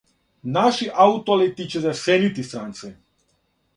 Наши Аутолети ће засенити странце!